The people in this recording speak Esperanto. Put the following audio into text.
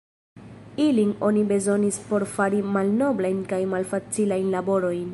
Ilin oni bezonis por fari malnoblajn kaj malfacilajn laborojn.